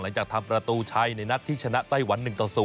หลังจากทำประตูชัยในนัดที่ชนะไต้หวัน๑ต่อ๐